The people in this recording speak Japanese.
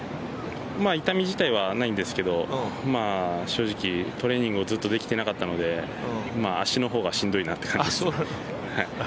痛み自体はないんですけど正直トレーニングをずっとできていなかったので足の方がしんどいなっていう感じですね。